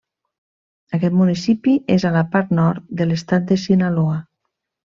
Aquest municipi és a la part nord de l'estat de Sinaloa.